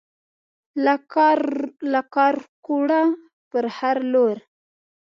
له کارکوړه پر هر لور